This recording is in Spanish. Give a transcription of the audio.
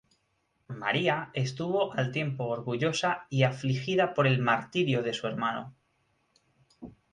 María estuvo al tiempo orgullosa y afligida por el martirio de su hermano.